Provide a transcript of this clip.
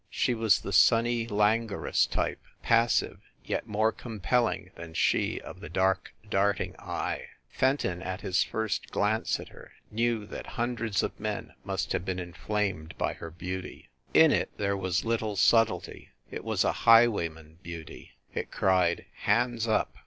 She was the sunny languorous type, passive, yet more compelling than she of the dark, darting eye. Fenton, at his first glance at her, knew that hundreds of men must have been inflamed by her beauty. In it there was little subtlety; it was a highwayman beauty, it cried: "Hands up!"